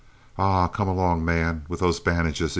"Arrah, come along, man, with those bandages!"